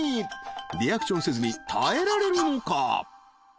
［リアクションせずに耐えられるのか？］